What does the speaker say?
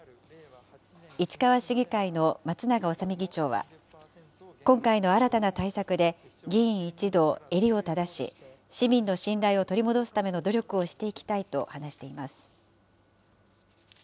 市川市議会の松永修巳議長は、今回の新たな対策で議員一同、襟を正し、市民の信頼を取り戻すための努力をしていきたいと話しています。